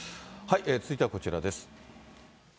続いてはこちらです。